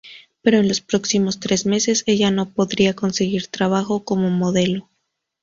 Pero en los próximos tres meses, ella no podría conseguir trabajo como modelo.